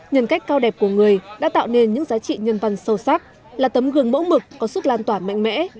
nhân cách cao đẹp của người đã tạo nên những giá trị nhân văn sâu sắc là tấm gương mẫu mực có sức lan tỏa mạnh mẽ